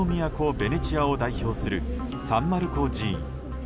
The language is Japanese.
ベネチアを代表するサン・マルコ寺院。